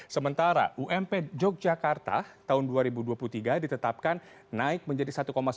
sementara ump yogyakarta tahun dua ribu dua puluh tiga ditetapkan naik menjadi satu sembilan